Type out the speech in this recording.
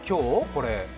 これ？